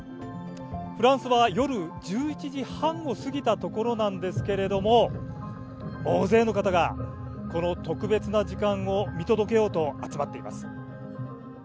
フランスは夜１１時半を過ぎたところなんですけれども、大勢の方がこの特別な時間を見届けようと集まっています。